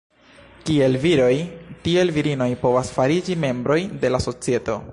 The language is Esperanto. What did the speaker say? Kiel viroj tiel virinoj povas fariĝi membroj de la societo.